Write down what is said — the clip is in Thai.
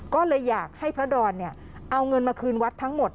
ก็เลยอยากให้พระดอนเอาเงินมาคืนวัดทั้งหมด